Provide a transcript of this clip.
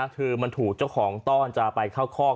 คือมันถูกเจ้าของต้อนจะไปเข้าคอก